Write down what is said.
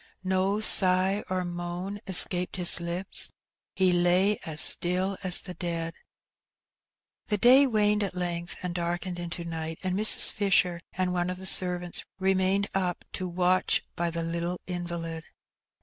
No sigh or moan escaped his lips; he lay as still as the dead. The day waned at length and darkened into night, and Mrs. Fisher and one of the servants remained up to watch by the little invalid.